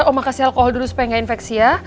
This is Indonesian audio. oma kasih alkohol dulu supaya gak infeksi ya